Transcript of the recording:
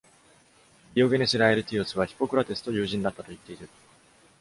ディオゲネス・ラエルティオスはヒポクラテスと友人だったと言っている。